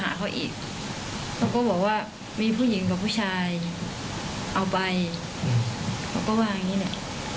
เขาบอกไหมว่าคนที่เอาไปลักษณะเป็นยังไง